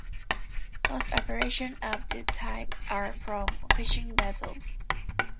Most operations of this type are from fishing vessels.